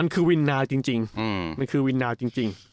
คือมันคือวินนาวจริง